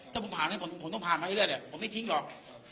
ถ้ามันผ่านเลยผมต้องผ่านมาเรื่อยเรื่อยเนี่ยผมไม่ทิ้งหรอก